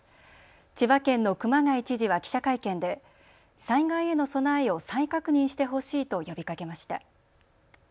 千葉県の熊谷知事は記者会見で災害への備えを再確認してほしいと呼びかけました。